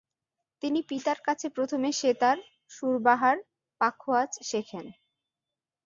তিনি পিতার কাছে প্রথমে সেতার, সুরবাহার, পাখোয়াজ শেখেন।